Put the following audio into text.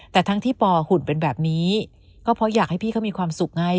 แต่ทั้งที่ปอหุ่นเป็นแบบนี้ก็เพราะอยากให้พี่เขามีความสุขไง